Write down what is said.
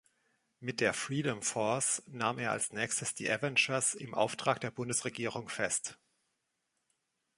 Mit der Freedom Force nahm er als Nächstes die Avengers im Auftrag der Bundesregierung fest.